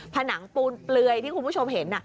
ผนังปูนเปลือยที่คุณผู้ชมเห็น